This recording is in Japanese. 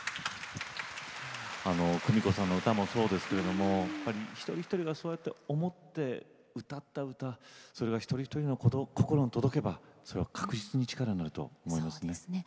あのクミコさんの歌もそうですけれどもやっぱり一人一人がそうやって思って歌った歌それが一人一人の心に届けばそれは確実に力になると思いますね。